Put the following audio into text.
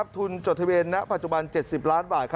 ทุนจดทะเบียนณปัจจุบัน๗๐ล้านบาท